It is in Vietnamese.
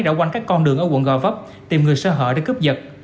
rõ quanh các con đường ở quận gò vấp tìm người sơ hở để cướp dật